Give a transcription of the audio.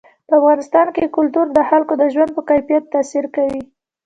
په افغانستان کې کلتور د خلکو د ژوند په کیفیت تاثیر کوي.